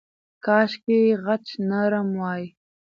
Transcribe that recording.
کاشکې خج نرم وای.